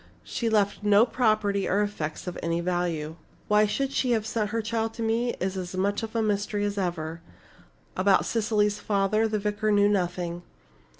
She left no property or effects of any value. Why she should have sent her child to me was as much a mystery as ever. About Cecily's father the vicar knew nothing.